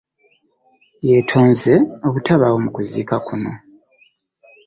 Yeetonze obutabaawo mu kuziika kuno.